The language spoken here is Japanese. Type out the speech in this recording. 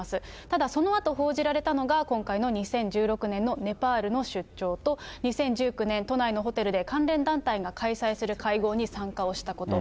ただそのあと報じられたのが、今回の２０１６年のネパールの出張と、２０１９年、都内のホテルで関連団体が開催する会合に参加をしたこと。